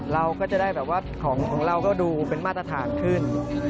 เราก็จะได้แบบว่าของเราก็ดูเป็นมาตรฐานขึ้น